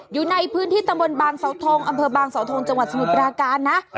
อยู่ในพื้นที่ตำบลบางเสาทงอำเภอบางสาวทงจังหวัดสมุทรปราการนะ